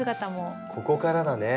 ここからだね。